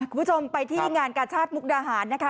คุณผู้ชมไปที่งานกาชาติมุกดาหารนะคะ